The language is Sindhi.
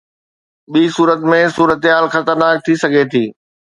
ٻي صورت ۾ صورتحال خطرناڪ ٿي سگهي ٿي.